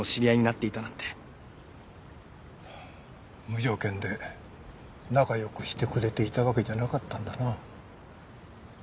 無条件で仲良くしてくれていたわけじゃなかったんだな。